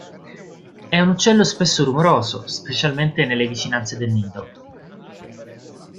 È un uccello spesso rumoroso, specialmente nelle vicinanze del nido.